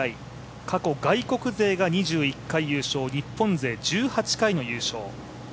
過去、外国勢が２１回優勝日本勢１８回の優勝。